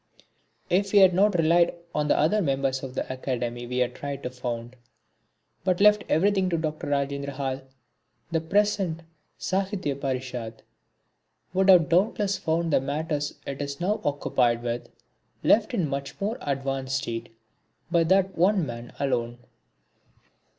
If we had not relied on the other members of the Academy we had tried to found, but left everything to Dr. Rajendrahal, the present Sahitya Parishat would have doubtless found the matters it is now occupied with left in a much more advanced state by that one man alone.